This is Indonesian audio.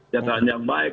jatuhan yang baik